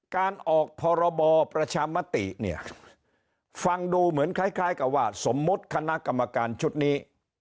การออกพรบประชามติเนี่ยฟังดูเหมือนคล้ายกับว่าสมมุติคณะกรรมการชุดนี้